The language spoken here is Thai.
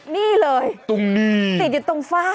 นี่เลยตรงนี้ติดอยู่ตรงฝ้า